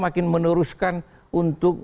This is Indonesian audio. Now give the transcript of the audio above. makin meneruskan untuk